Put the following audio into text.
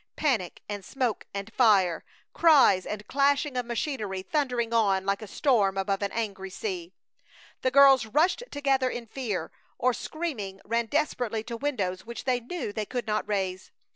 Panic and smoke and fire! Cries and clashing of machinery thundering on like a storm above an angry sea! The girls rushed together in fear, or, screaming, ran desperately to windows which they knew they could not raise!